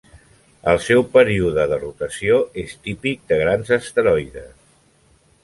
El seu període de rotació és típic de grans asteroides.